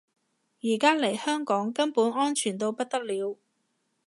而家嚟香港根本安全到不得了